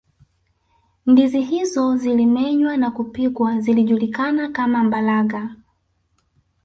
ndizi hizo zilimenywa na kupikwa zilijulikana kama mbalaga